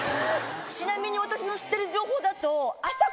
ちなみに私の知ってる情報だと。